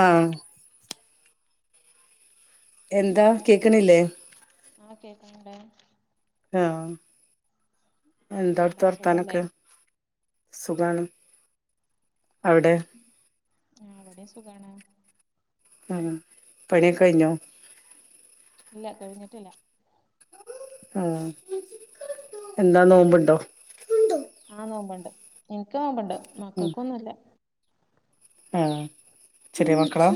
ആഹ് എന്താ എന്തൊക്കെ കേക്ക്ണില്ലേ ഉണ്ട് ആഹ് എന്താ അവിടുത്തെ വർത്താനൊക്കെ സുഖണോ ആ അവടെ സുഖാണ് ആ പണിയൊകഴിഞ്ഞോ ഇല്ല കഴിഞ്ഞിട്ടില്ല ആ എന്താ നോമ്പുണ്ടോ ആ നോമ്പ്ണ്ട് ഇൻക്ക് നോമ്പ്ണ്ട് മക്കൾക്കൊന്നുല്ല ആ ചെറിയ മക്കളാ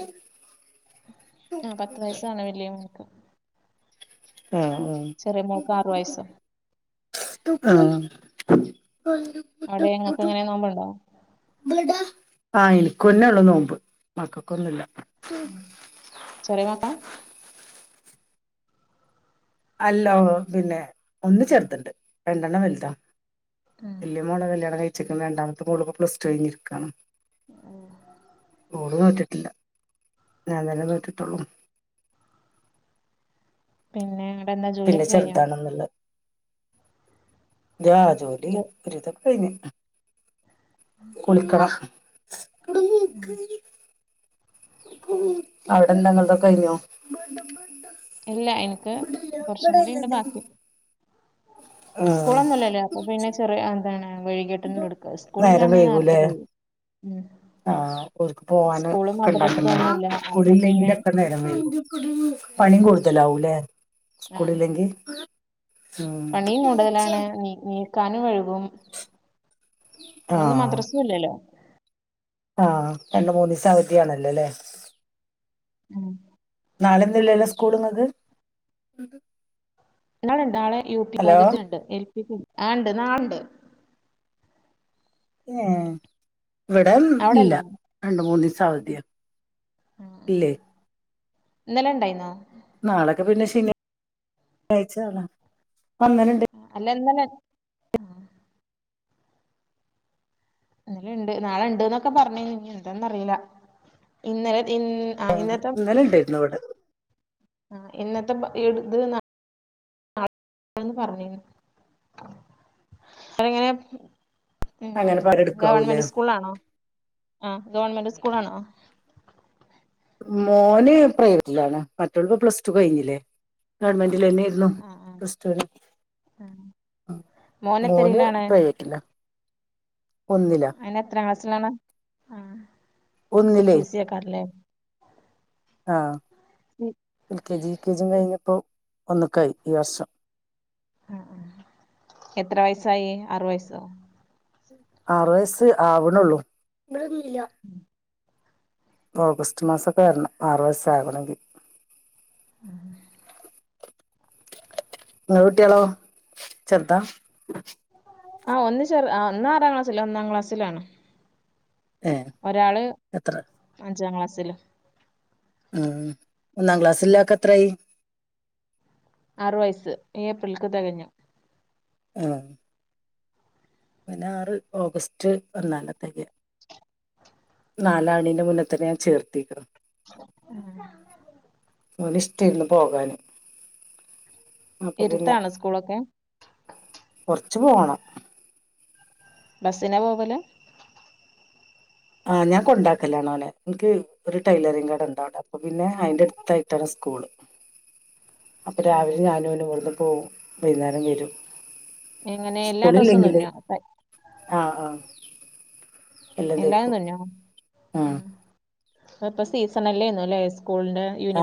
ആ പത്ത് വയസാണ് വലിയോന് ആഹ് ചെറിയ മോക്ക് ആറു വയസ്സും ബ്ലൂറ്റുതാണോ അവിടെ ഇങ്ങക്ക് എങ്ങന നോബ്ണ്ടോ ആഹ് എനിക്കുന്നെഉള്ളു നോമ്പ് മക്കക്കൊന്നുല്ല ശറി മാക്കാ അല്ലോ പിന്നെ ഒന്ന് ചേർത്ണ്ട് രണ്ടെണ്ണം വലുതാ ഉം വല്യ മോളെ കല്യാണം കഴിച്ചിക് രണ്ടാമത്തെ മൂള് പ്ലസ് ടു കഴിഞ്ഞിരിക്കാണ് ഓള് നോറ്റ് ട്ടില്ല ഞാൻ നല്ല നോറ്റുട്ടോള്ളൂ പിന്നെ നിട്ടന്താ ജോലിയൊക്കെ കഴിഞ്ഞോ ജാ ജോലി ജോ ഒരുതക്ക കഴിഞ്ഞു കുളിക്കണം മം അവിടെന്താ ങ്ങൾതൊക്കെ കഴിഞ്ഞോ ഇല്ല എനിക്ക് ബിടല്ല കുറച്ചും ഇവിടല്ലട്ടോ സ്കൂളൊന്നുംല്ലല്ലോ അപ്പൊ പിന്നെ ചെറിയ അ എന്താണ് വൈകിട്ടിങ്ങന്നെ എടുക്ക നേരം സ്കൂളില്ലാന്ന നേർത്തെ വൈകൂലേ കഴിയും ഉം ആഹ് ഓർക്ക് പോവന് സ്കൂളും ഒക്കെ മദ്രസ ഉണ്ടാക്കണ്ടെ ഒന്നുമില്ല അപ്പൊ പിന്നെ കുളില്ലെങ്കിലൊക്കെ നേരം വൈകും പണി ഉം. കൂടുതലാവൂലേ ആ സ്കൂളില്ലെങ്കി ഉം പണിയും കൂടുതലാണ് നി നീക്കാനും വഴുകും പിന്നന്ന് ആഹ് മദ്രസു ഇല്ലല്ലോ ആഹ് രണ്ട് മൂന്നിസം അവധി ആണല്ലോല്ലേ മും നാളെനുല്ലല്ലോ സ്കൂളി ആവധി നാളണ്ട് നാളെ യു പി ഭാഗത്തുണ്ട് എൽ പിണ്ട് ആണ്ട് നാളണ്ട് ഏഹ് ഇവിടെന്നും ഇല്ല അവിടെല്ലേ രണ്ട് മൂന്ന് ദിസം അവധിയാ ഉം ഉം ഇല്ലേ ഇന്നലെ ഇണ്ടായിന്നോ നാളൊക്കെ പിന്നെ ശനിയാഴ്ച വന്നനുണ്ട്. ന്നെന്താണ്. ഇന്നലെ ഇണ്ട് നാളെണ്ട്ന്നൊക്കെ പറഞ്ഞിനി ഇനി എന്താന്ന്റിയില്ല ഇന്നലെ ഇൻ ആ ഇന്നത്തെ ഇന്നലെ ഇണ്ടായിരുന്നു ഇവിടെ ആ ഇന്നത്തെ ഇത് പറഞ്ഞിനി അ എങ്ങനെ അങ്ങനെ മം പണിയെടുക്കാവൂലേ ഗവൺമെന്റ് സ്കൂളാണോ? ആ ഗവൺമെന്റ് സ്കൂളാണോ മോന് പ്രൈവറ്റിലാണ് മറ്റുള്ളപ്പോ പ്ലസ് ടു കഴിഞ്ഞില്ലേ ഗവൺമെന്റ് ഇലന്നരുന്നു ആ ആ പ്ലസ്റ്റു ലാ മോന് പ്രൈവറ്റില. അയിന് എത്രാം ക്ലാസ്സിലാണ് ആ സി ഒന്നിലേ ബി എസ് സി ആക്കാരല്ലേ ആ L K G U K ജിയും കഴിഞ്ഞപ്പോ ഒന്ന്ക്കായി ഈവർഷം ആ എത്ര വയസ്സായി ആറു വയസ്സോ? ആറ് വയസ്സ് ആവണള്ളൂ. ഓഗസ്റ്റ് മാസൊക്കെ വരണം ആറ് വയസ്സ് ആകണെങ്കി ആഹ ങ്ങളെ കുട്ടികളോ ചെറുതാ ആഹ് ഒന്ന് ചെറു ഒന്ന് ആറാം ക്ലാസ്സില് ഒന്നാം ക്ലാസ്സിലാണ്. ഏഹ് ഒരാള് എത്ര അഞ്ചാം ക്ലാസ്സിലും. ഉം ഒന്നാം ക്ലാസ്ല്ലാക്ക് എത്രായി? ആറു വയസ്സ് ഈ ഏപ്രിൽക്ക് തികഞ്ഞു ആ ഇവനാറ് ഓഗസ്റ്റ് വന്നാലാ തെകയാ നാലാക്ണീന്റെ മുന്നേ തന്നെ ഞാൻ ചേർത്തിക്ക്ണ് ഉം ഇഓന്ഷ്ടയ്ക്ക്ണ് പോകാന് അപ്പൊ പിന്നെ എരുത്താണോ സ്കൂളൊക്കെ ച്ച് പോണം ബസ്സിനാ പോകല് ആ ഞാ കൊണ്ടാക്ക്കലാണോനെ ഇൻക്ക് ഒരു ടൈലറിംകടണ്ടവടെ അപ്പൊ പിന്നെ അയിന്റെടുത്തയിട്ടണ് സ് കൂള് [inaudible] അപ്പൊ രാവിലെ ഞാനൂ ഒനും ഇവിടുന്ന് പോകും വൈന്നേരം വരും എങ്ങനെ എല്ലാ സ്കൂള് ഡ്രസ്സും ഇല്ലെങ്കില് തുന്നോ ആ ആ എല്ലാതും തൂന്നോ ആ ഇപ്പൊപ്പൊ സീസണല്ലേന്നൊല്ലേ ആ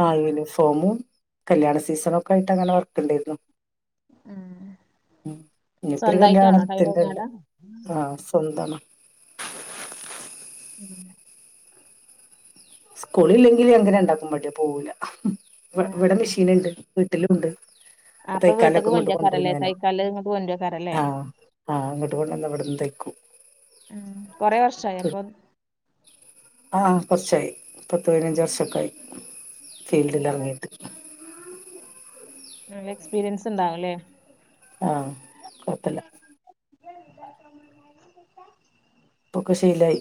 ആ യൂണിഫോമും കല്യാണ സീസണൊക്കായിട്ട് അങ്ങനെ വർക്ക് ണ്ടേരുന്നു ഉം ഇനിയിപ്പൊ ഒരു സ്വന്തായിട്ടാണോ കല്യാണത്തിന്റെ ടൈലറിങ് കട ഉണ്ട് ആഹ് സ്വന്തമാണ് ഉം സ്കൂളില്ലെങ്കിൽ ഞങ്ങക്ക് രണ്ടാക്കും മടിയാ പോവൂല അപ്പൊ ആ വിടെ ആ മിഷീനുണ്ട് വീട്ടിലുണ്ട് അപ്പൊ വീട്ട്ക്ക് തയ്ക്കാലൊക്കെ ഇങ്ങോട്ട് കൊണ്ടുവരും കൊണ്ടരാക്കാരല്ലേ തൈക്കാള്ളത് ഇങ്ങട്ട് കൊണ്ടരാക്കാരാല്ലേ ആ ഇങ്ങട്ട് കൊണ്ടന്ന് ഇവിടെന്ന് തയ്ക്കും ഉം കൊറെ വർഷായോ അപ്പൊ ആ കൊറച്ചായി പത്ത് പതിനഞ്ച് വർഷൊക്കായി ഫീൽഡിൽ ഇറങ്ങീട്ട് നല്ല എക്സ്പീരിയൻസ്ണ്ടാവും ല്ലേ ആ കൊഴപ്പല്ല [unintelligible] പ്പൊക്കെ ശീലായി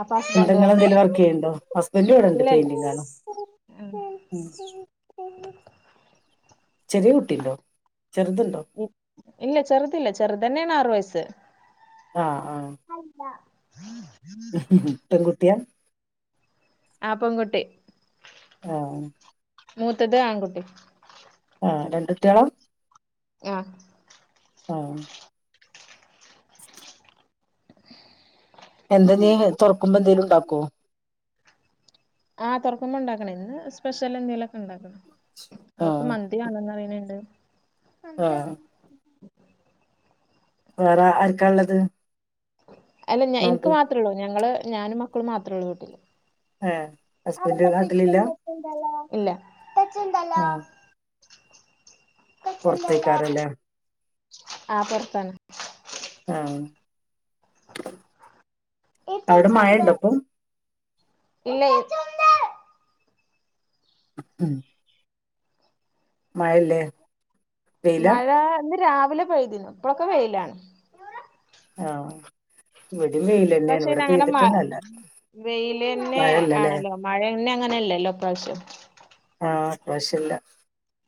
അപ്പൊ എന്താ ഹസ്ബന്റോ ങ്ങളെന്തേലും വർക്ക് ചെയ്യണ്ടോ ഹസ്ബന്റ് ഇവിടെണ്ട് ഇല്ലല്ല പെയിന്റിങാണ് ഇല്ല ഉം [inaudible] ചെറിയ കുട്ടിണ്ടോ ചെറുതുണ്ടോ ഇല്ല ചെറുതില്ല ചെറു തന്നേണാറു വയസ്സ് ആ ആ പെൺകുട്ടിയാ ആ പെൺകുട്ടി ആ മൂത്തത് ആൺകുട്ടി ആ രണ്ടു കുട്ടേളാ ആ ആ [inaudible] എന്താഞ് തുറക്കുമ്പോ എന്തെങ്കിലും ഉണ്ടാക്കോ ആ തുറക്കുമ്പോ ഇണ്ടാക്കണം ഇന്ന് സ്പെഷ്യൽ എന്തേങ്കലുംഒക്കെ ഉണ്ടാക്കണം അവൊക്ക് ആഹ് മന്തി മാണെന്ന് പറണ്ണ്ട് നോക്കി ആഹ് വേറെ ആർക്കാ ഉള്ളത് അല്ല എനിക്ക് മാത്രേ ഉള്ളൂ ഞങ്ങള് ഞാനും മക്കളും മാത്രേ ഉള്ളൂ വീട്ടില്ല ഏഹ് ഹസ്ബൻഡ് നാട്ടിലില്ല ആല തച്ചന്തല പുൊറത്തേക്കാറല്ലേ ആ പുറത്താണ് ആഹ അവിടെ മഴ ഇണ്ടപ്പ ഇന്ന ഉം മഴല്ലേ വെയിലാ മഴ ഇന്ന് രാവിലെ പെയ്തിന്നു ഇപ്പഴൊക്കെ പെയലാണ് ആഹ പക്ഷെ ഞങ്ങളുടെ മ വെൽ തന്നെ മഴല്ലല്ലേ ആണല്ലോ മഴ പിന്നെ അങ്ങനെയല്ലല്ലോ പ്രാവശ്യം ആഹ് പ്രാവശ്യല്ല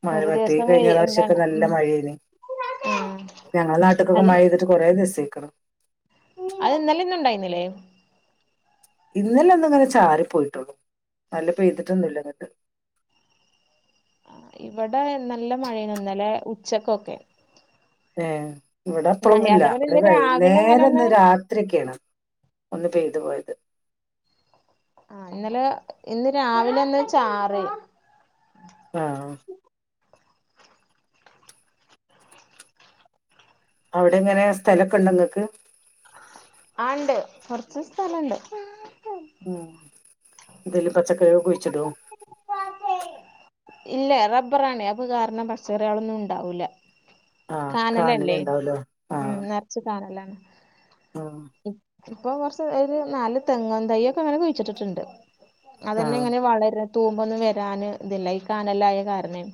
മഴ ഒരു പത്തി ദിവസം കഴിഞ്ഞ വെയി പ്രാവശ്യൊക്കെ എന്താണ് നല്ല ഉം മഴേനി ഉം ഞങ്ങള നാട്ടക്കൊക്കെ മഴ ചെയ്തിട്ട് കൊറെേ രസിക്കണം അത്ാല ഇന്നുംണ്ടായിുന്നില്ലേ ഇന്നല ഒന്ന ഇങ്ങനെ ചാരി പോയിട്ടുള്ളു നല്ലപ്പോ ചെയ്തിട്ടൊന്നും ഇല്ലങ്ങിട്ട് [unintelligible] ഇവിടെ നല്ല മഴന്നൊന്നല്ലേ ഉച്ചക്കൊക്കെ ആഹ ഇവിടെ അപ്പഴൊന്നുമ അതേപോലെ ഇ ഇന്ന് ഇവിടെ രാവിലെ നേര ഇങ്ങനെ ഒന്ന് രാത്രി ഒക്കെയാണ് ഒന്ന് പെയ്തു പോയത് ആഹ ഇന്നലെ ഇന്ന് രാവിലെ എന്ന് വെച്ചാറ് ആഹ അവിടെ എങ്ങനെ സ്ഥലൊക്കെ ഉണ്ടങ്ങക്ക് ആ ഉണ്ട് കൊറച്ച് സ്ഥലുണ്ട് ഉം ച്ചടോ ഇല്ല റബ്ബറാാണ് അപ്പ കാരണം പച്ചറികളൊന്നും ഉണ്ടാവൂില്ല ആഹ് കാനല് കാനലല്ലേ ഇണ്ടാവല്ലോ ഉം നിറച്ച് കാനലാണ് ആഹ ഇപ്പൊ കുറച്ച് ഒരു നാല് തെങ്ങൻ തൈ ഒക്കെ ഇങ്ങനെ കുഴിച്ചിട്ടിട്ടുണ്ട് അതന്നെ ആഹ് ഇങ്ങനെ വളര തൂ്പൊന്നും വരാന് ഇതില്ല ഈ കാനല്ലായ കാരണം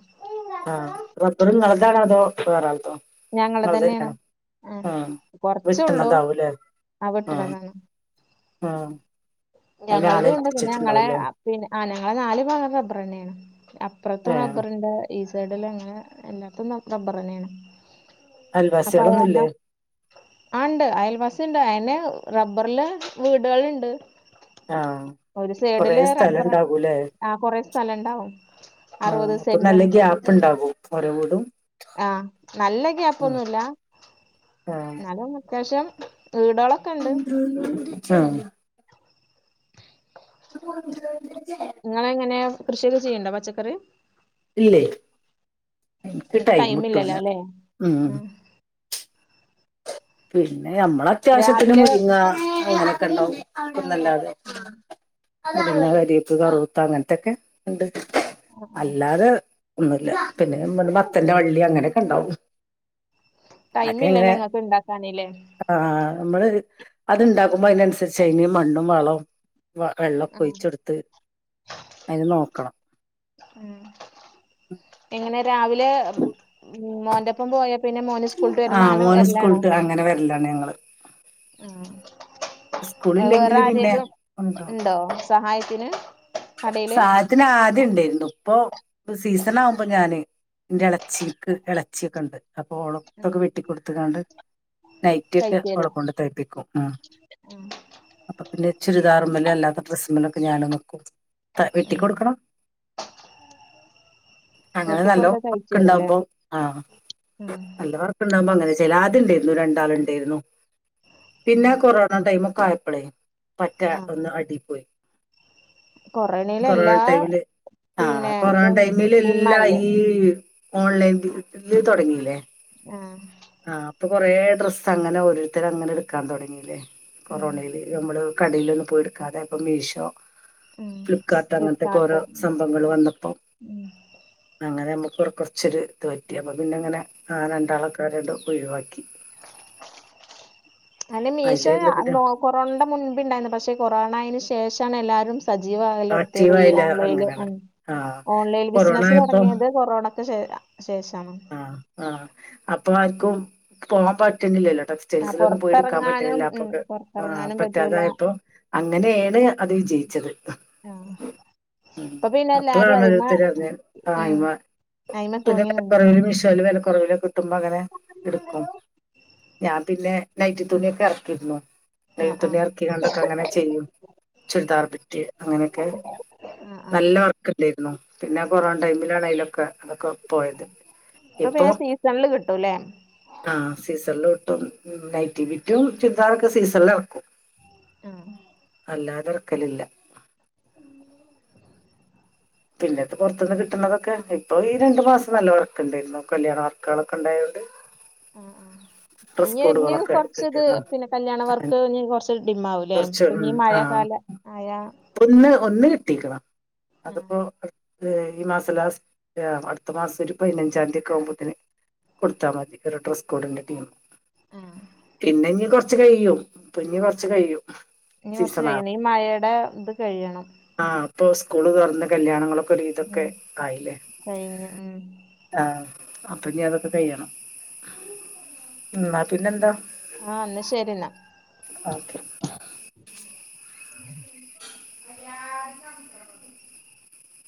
പറോ ഞങ്ങള് തന്നെയാണ് ആ ഉം കൊറച്ചൊള്ളൂ വിട്ടണതാവൂലേ ആ ഉം വെട്ടണതാണ് ആഹ ഞങ്ങളത് കൊൊണ്ട് പിന്നെ ഞങ്ങളെ പിന്നെ ആ ഞങ്ങളെ നാല് ഭങ്ങ അബറ തന്നെയാണ് അപ്പറത്തും ഏഹ് റബ്ബർുണ്ട് ഈ സൈഡല്ലാം അങ്ങനെ എല്ലാത്തും റബ്ബർ തന്നെയാണ് അപ്പൊ അതല്ല അയൽവാസികളൊന്നുല്ലേ ആ ഉണ്ട് അയൽ ബസുണ്ട് അയിെ റബ്ബറിലെ വീടുകളുണ്ട് ആഹ് ഒരു കൊറേ സൈഡില് സ്ഥലം റബ്ബറ ഇണ്ടാകൂലേ ആ കൊറ സ്ഥല ഇണ്ടാവും ആഹ അപ്പൊ നല്ല ഗ്യ ആപ്പ് ഉണ്ടാാവും ഒഓര വീടും ആഹ നല്ല ഗ്യയാപ്പ് ആഹ് ഒന്നുമല്ല എന്നാലും അത്യാവശ്യം ഈടോളൊക്കെ ഇണ്ട് അ [unintelligible] നിങ്ങളെങ്ങനെയ കൃഷിയൊക്കെ ചെയ്യണ്ടോ പച്ചക്കറി. ഇല്ലേ എനിക്ക് ടൈം ഇല്ലല്ലോ അല്ലേ ഉം. പി പി ഞമ്മളത്യാവശ്യത്തിന് രാവിലെ മുരിങ്ങ അങ്ങനൊക്കെ ഉണ്ടാവും ഒന്നല്ലാതെ. പിന്നെ കരിയപ്പ് കറുത്ത അങ്ങനത്തൊക്കെ ഉണ്ട് അല്ലാതെ ഒന്നുല്ല പിന്നെ നമ്മ മത്തന്റെ വള്ളി അങ്ങനെയൊക്കെ ഉണ്ടാവും. ടൈമ് അതൊക്കെ ഇല്ലല്ലെ ഇങ്ങനെ ഇങ്ങക്ക് ഇണ്ടാക്കാനി ല്ലേ. ആ, നമ്മള് അത്ണ്ടാക്കുമ്പോ അതിനനുസരിച്ച് അയിന് മണ്ണും വളവും വ വെള്ളമൊക്കെ ഉം ഒഴിച്ചൊടുത്ത് അതിന് നോക്കണം. ഉം എങ്ങനെ രാവിലെ മോന്റൊപ്പം പോയ പിന്നെ മോന് സ്കൂളിട്ട് ആ വരുമ്പോ അങ്ങനെ മോന് വെരലാണോ സ്കൂളിട്ട് അങ്ങനെ വരലാണ് ഞങ്ങള് ആഹ്. വേറെ സ്കൂളില്ലെങ്കിൽ പിന്നെ ആരേലും ഉണ്ടോ ഇണ്ടോ സഹായത്തിന് കടയില് സഹായത്തിന് ആദ്യം ഇണ്ടായിരുന്നു ഇപ്പൊ സീസൺ ആവുമ്പോ ഞാന് ഇന്റെ ഇട ച്ചിക്ക് ഇളച്ചിയൊക്കെ ഉണ്ട് അപ്പൊ ഓളോപ്പൊക്കെ വെട്ടിക്കൊടുത്ത്‌ങാണ്ട് നൈറ്റിയൊക്കെ തയ്ച്ചു ഓളെ തരും കൊണ്ട് തയ്പ്പിക്കും ആ അപ്പൊ പിന്നെ ചുരിദാറുമ്മേലും അല്ലാത്ത ഡ്രസ്സുമേലൊക്കെ ഞാനും നിൽക്കും ത ഉം വെട്ടിക്കൊടുക്കണം അങ്ങനെ വെട്ടി നല്ല കൊടുത്താ തയ്ച്ചു വർക്ക് തരും അല്ലേ ഉണ്ടാവുമ്പോ ആ നല്ല വർക്ക്ണ്ട വുമ്പോ അങ്ങനെ ചെയ്യൽ അദ്യണ്ടായിരുന്നു രണ്ടാള് ഇണ്ടായിരുന്നു പിന്നെ കൊറോണ ടൈമ് ക്കായപ്പളേ മറ്റെ ആഹ് ഒന്ന് അടീ പോയി കൊറോണയിൽ കൊറോണ എല്ലാ ടൈമില് ആ പിന്നെ കൊറോണ ഇതും ടൈമില് എല്ലാം ഡിമ്മായില്ലേ ഈ ഓൺലൈൻ ഫീൽ [unintelligible] ഡില് തുടങ്ങില്ലേ ആ ഇപ്പൊ കുറേ ഡ്രസ്സ് അങ്ങനെ ഓരോര്ത്തർ അങ്ങനെ എടുക്കാൻ തൊടങ്ങിയില്ലേ കൊറോണയില് നമ്മള് കടയിലൊന്നും പോയി എടുക്കാതെ ഇപ്പൊ മീശോ ഫ്ലിപ്കാർട്ട് അങ്ങനത്തെക്കെ ഓരോ ഫ്ലിപ്കാർട്ട് സംഭങ്ങൾ വന്നപ്പോ അങ്ങനെ നമ്മ കു കുറച്ചൊരു ഇത് പറ്റി അപ്പ പിന്നെ അങ്ങനെ ആ രണ്ടാൾക്കാരെണ്ട് ഒഴിവാക്കി [inaudible] അതിന് മീശോ അതിലായിരുന്നു പിന്നെ കൊറോണന്റെ മുൻപ് ഉണ്ടായിരുന്നു പക്ഷെ കൊറോണയിന് ശേ ശേഷാണ് എല്ലാരും സജീവാകലൊടുത്തിയത് ഈ ആക്റ്റീവായില്ല ഓൺലൈനിൽ അങ്ങനെയാണ് ഉം ആഹ് ഓൺലൈൻ കൊറോണ ബിസിനസ് ആയപ്പം തൊടങ്ങിയത് കൊറോണ- ക്ക് ശേ ശേഷാണു ഇപ്പ ആർക്കും പോകാൻ പറ്റുന്നില്ലല്ലോ ആഹ് ടെക്സ്റ്റെയിസ് ഒന്നും പോയി എടുക്കാൻ പൊറത്തെറങ്ങാനും പറ്റണില്ല അപ്പൊ ഉം ആ പൊറത്തെറങ്ങാനും പറ്റൂല പറ്റാതായപ്പോ അങ്ങനെയാണ് അത് വിജയി ആഹ് ഉം ഇപ്പൊ പിന്നെ എല്ലാരും അപ്പളാണ് അയ്മ ഓരോത്തരു പറഞ്ഞ ഉം ആയ് [unintelligible] മ അയ്മ പിന്നെ തൂങ്ങി നിന്നു കൊറവില് മിഷോൽ വില കുറവിൽ കിട്ടുമ്പോ അങ്ങനെ ഇട്ക്കും. ഞാൻ പിന്നെ നൈറ്റി തുണിയൊക്കെ എറക്കിര്ന്നു. ആഹ് നൈറ്റിത്തുണി ആഹ് എറക്കിങ്ങാണ്ടൊക്കെ അങ്ങനെ ചെയ്യും. ചുരിദാർ ബിറ്റ് അങ്ങന്യൊക്കെ ആഹ് ആഹ് നല്ല വർക്ക് ഇണ്ടേര്ന്നു. പിന്നെ കൊറോണ ടൈമിലാണ് അയ്ലൊക്ക അതൊക്കെ പൊ ഇപ്പൊ പിന്നെ സീസണില് കിട്ടൂല്ലേ ആഹ് സീസൺലു ട്ടും. നൈറ്റി ബിറ്റും ചുരിദാറൊക്കെ സീസൺല് എറക്കും. ആഹ് അല്ലാതെർക്കലില്ല. പിന്നെ ത്ത് പൊർത്ത്ന്ന് കിട്ട്ണതൊക്കെ. ഇപ്പൊ ഈ രണ്ടു മാസം നല്ല വർക്ക് ഇണ്ടേര്ന്നു. കല്യാണ വർക്കുകളൊക്കെ ഉണ്ടായതോണ്ട് ആഹ് ആഹ് ഇഞ് ഇഞ് കൊർച്ച് ത് കിട്ടിയിരുന്നു പിന്നെ കല്യാണ വർക്ക് ഞ് കൊർച്ച് ഡിമ്മാവുലേ. കുറച്ച് ഉം പിഞ് ആ മഴൊക്കാ അല്ലെ അ ഒന്ന് ഒന്ന് കിട്ടീക്കണം അതും ആഹ് ഈ മാസം ലാസ്റ്റ് അടുത്ത മാസം ഒരു പതിനഞ്ചാം ന്തിയൊക്കെ ആവുമ്പോത്തിന് കൊടുത്താ മതി ഒരു ഡ്രസ്സ് കോഡിന്റെ ടീം ആഹ് പിന്നെ ഇനി കൊർച്ച് കഴിയും പിന്നെ കൊർച്ച് കഴിയും. ഇനി കൊറച്ച് സീസണാ കഴിയണം ഈ മഴയുടെ ഇത് കഴിയണം. ആ ഇപ്പൊ സ്കൂള് തുറന്ന് കല്യാണങ്ങളൊക്കെ ഒരു വിധോക്കെ ഉം ആയില്ലേ കഴിഞ്ഞു ഉം ആ അപ്പൊ ഇനി അതൊക്കെ കയ്യണം എന്നാ പിന്നെ എന്താ ആ എന്നാ ശരി എന്നാ ഓക്കെ [unintelligible]